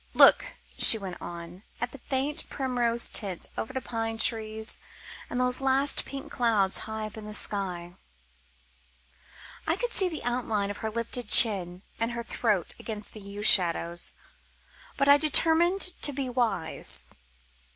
"Look," she went on, "at the faint primrose tint over the pine trees and those last pink clouds high up in the sky." I could see the outline of her lifted chin and her throat against the yew shadows, but I determined to be wise.